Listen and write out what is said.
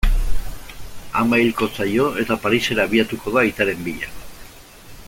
Ama hilko zaio, eta Parisera abiatuko da aitaren bila.